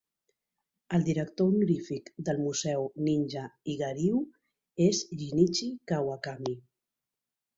El director honorífic del Museu Ninja Iga-ryu és Jinichi Kawakami.